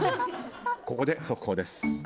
ここで速報です。